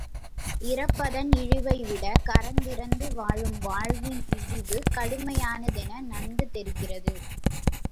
இரப்பதன் இழிவைவிடக்கரந்திரந்து வாழும் வாழ்வின் இழிவு கடுமையானதென நன்கு தெரிகிறது.